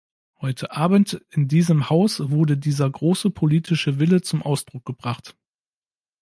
Heute Abend in diesem Haus wurde dieser große politische Wille zum Ausdruck gebracht.